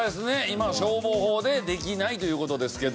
今消防法でできないという事ですけど。